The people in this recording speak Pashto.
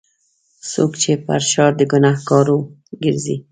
څوک چې پر ښار د ګناهکارو ګرځي.